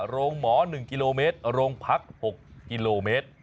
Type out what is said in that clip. โรงหมอ๑กิโลเมตรโรงพัก๖กิโลเมตร